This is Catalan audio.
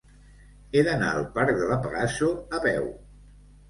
He d'anar al parc de La Pegaso a peu.